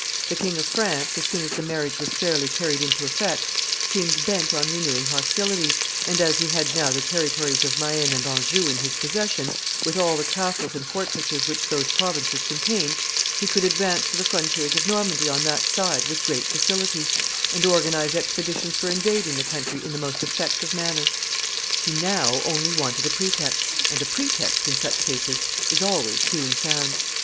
The King of France, as soon as the marriage was fairly carried into effect, seemed bent on renewing hostilities, and as he had now the territories of Maine and Anjou in his possession, with all the castles and fortresses which those provinces contained, he could advance to the frontiers of Normandy on that side with great facility, and organize expeditions for invading the country in the most effective manner. [Sidenote: Pretext for war.] He now only wanted a pretext, and a pretext in such cases is always soon found.